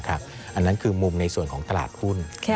อันนั้นคือมุมในส่วนของตลาดหุ้น